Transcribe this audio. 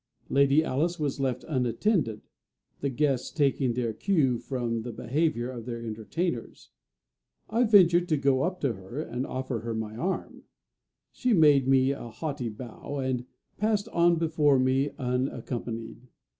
Lady Alice was left unattended, the guests taking their cue from the behaviour of their entertainers. I ventured to go up to her, and offer her my arm. She made me a haughty bow, and passed on before me unaccompanied.